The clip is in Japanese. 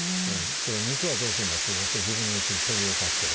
「肉はどうするんだ？」と言いましたら「自分のうちで鶏を飼ってる。